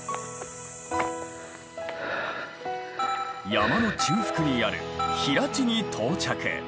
山の中腹にある平地に到着。